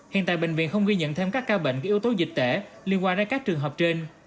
hiện tại bệnh viện không ghi nhận thêm các ca bệnh của yếu tố dịch tễ liên quan đến các trường hợp trên